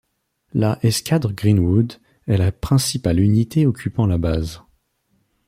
La Escadre Greenwood est la principale unité occupant la base.